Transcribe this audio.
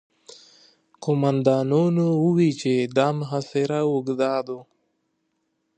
قوماندانانو وويل چې دا محاصره اوږده ده.